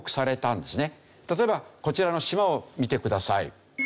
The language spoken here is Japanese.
例えばこちらの島を見てください。